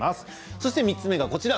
そして３つ目がこちら。